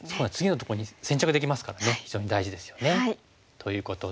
ということで。